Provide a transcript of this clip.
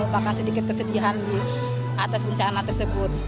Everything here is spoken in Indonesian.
bahkan sedikit kesedihan di atas bencana tersebut